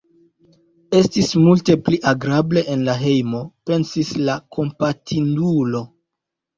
"Estis multe pli agrable en la hejmo," pensis la kompatindulo.